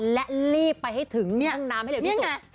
แล้วรีบไปให้ถึงห้องน้ำ